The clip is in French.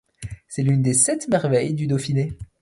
C'est l'une des Sept merveilles du Dauphiné.